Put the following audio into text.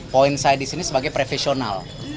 poin saya disini sebagai profesional